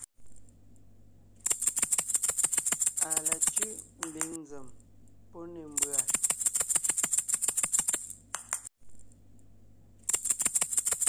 À la cʉ́ʼ ḿbiŋ nzèm pɔ́ ne ḿbʉ̀a.